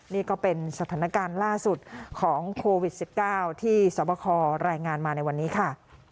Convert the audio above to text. นี่ก็เป็นสถานการณ์ล่าสุดของโควิด๑๙ที่สวบคอรายงานมาในวันนี้ค่ะ